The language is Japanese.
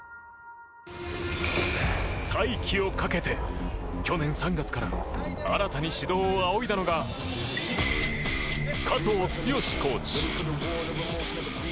再起をかけて、去年３月から新たに指導を仰いだのが加藤健志コーチ。